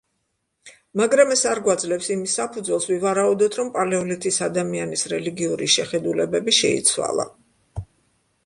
მაგრამ ეს არ გვაძლევს იმის საფუძველს ვივარაუდოთ, რომ პალეოლითის ადამიანის რელიგიური შეხედულებები შეიცვალა.